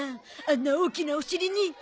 あんな大きなお尻に。